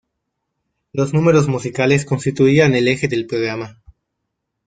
Los números musicales constituían el eje del programa.